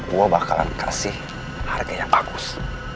gue bakalan kasih harga yang bagus